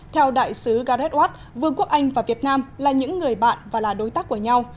theo đại sứ gareth watt vương quốc anh và việt nam là những người bạn và là đối tác của nhau